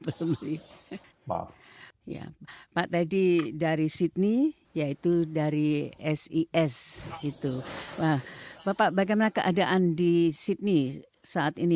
bersama pak teddy dari sydney yaitu dari sis itu bapak bagaimana keadaan di sydney saat ini